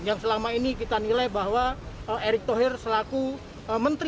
yang selama ini kita nilai bahwa erick thohir selaku menteri